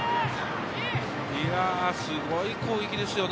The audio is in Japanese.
いや、すごい攻撃ですよね。